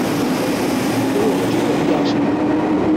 所以我們覺得有必要性